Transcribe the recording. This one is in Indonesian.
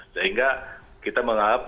sehingga kita menganggap